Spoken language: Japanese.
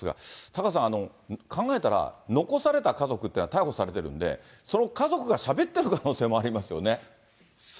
タカさん、考えたら、残された家族というのは逮捕されてるんで、その家族がしゃべってる可能性もありますよね。